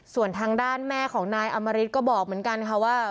ส่วนทางด้านแม่ของนายอมริตก็บอกเหมือนกันค่ะว่า